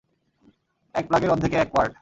এক প্লাগের অর্ধেকে এক কোয়ার্ট।